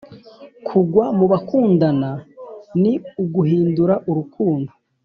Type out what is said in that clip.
kugwa mubakundana ni uguhindura urukundo.